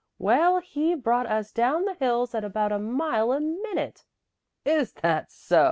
Well, he brought us down the hills at about a mile a minute." "Is that so!"